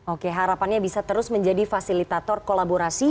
oke harapannya bisa terus menjadi fasilitator kolaborasi